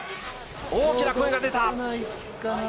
大きな声が出た。